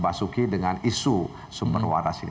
basuki dengan isu sumber waras ini